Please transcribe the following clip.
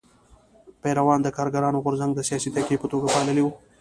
پېرون د کارګرانو غورځنګ د سیاسي تکیې په توګه پاللی و.